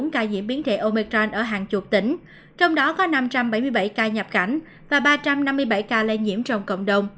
chín trăm ba mươi bốn ca diễn biến thể omicron ở hàng chục tỉnh trong đó có năm trăm bảy mươi bảy ca nhập cảnh và ba trăm năm mươi bảy ca lây nhiễm trong cộng đồng